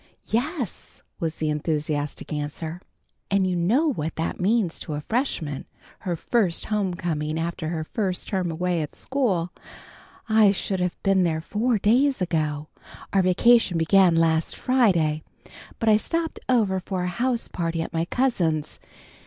"Yes!" was the enthusiastic answer. "And you know what that means to a Freshman her first homecoming after her first term away at school. I should have been there four days ago. Our vacation began last Friday, but I stopped over for a house party at my cousin's.